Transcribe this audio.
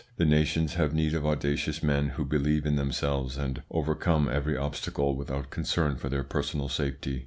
The nations have need of audacious men who believe in themselves and overcome every obstacle without concern for their personal safety.